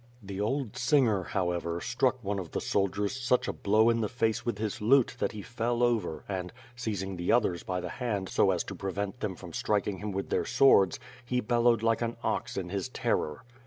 The old singer, however, struck one of the soldiers such a blow in the face with his lute that he fell over and, seizing the others by the hand so as to prevent them from striking him with their swords, he bellowed like an ox in his terror.